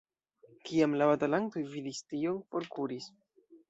Kiam la batalantoj vidis tion, forkuris.